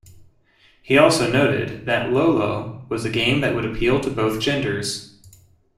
He also noted that "Lolo" was a game that would appeal to both genders.